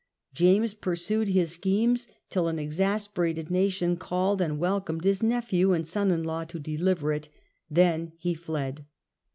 James pursued his schemes till an exasperated nation called and welcomed his nephew and son in law to deliver it. Then he fled.